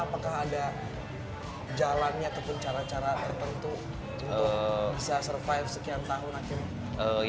apakah ada jalannya ataupun cara cara tertentu untuk bisa survive sekian tahun akhirnya